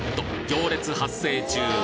行列発生中！